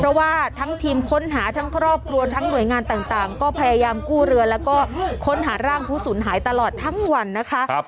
เพราะว่าทั้งทีมค้นหาทั้งครอบครัวทั้งหน่วยงานต่างก็พยายามกู้เรือแล้วก็ค้นหาร่างผู้สูญหายตลอดทั้งวันนะคะ